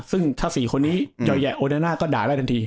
ซึ่งถ้าสี่คนนี้เยาะแยะโอนาน่าก็ด่ายได้ทันที